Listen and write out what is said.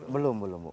belum belum bu